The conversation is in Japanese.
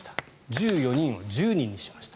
１４人を１０人にしました。